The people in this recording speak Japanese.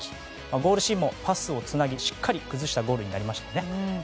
ゴールシーンもパスをつなぎしっかり崩したゴールになりました。